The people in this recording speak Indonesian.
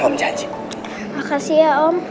makasih ya om